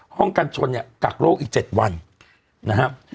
กันชนเนี่ยกักโรคอีก๗วันนะครับ